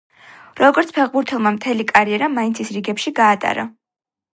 როგორც ფეხბურთელმა მთელი კარიერა მაინცის რიგებში გაატარა.